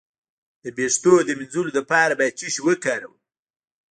د ویښتو د مینځلو لپاره باید څه شی وکاروم؟